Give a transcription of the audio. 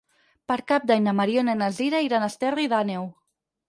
Per Cap d'Any na Mariona i na Sira iran a Esterri d'Àneu.